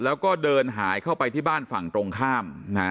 แล้วก็เดินหายเข้าไปที่บ้านฝั่งตรงข้าม